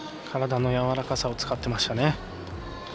体のやわらかさを使ってましたね。